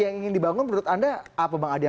yang ingin dibangun menurut anda apa bang adian